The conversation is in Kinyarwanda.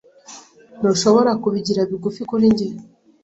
Ntushobora kubigira bigufi kuri njye?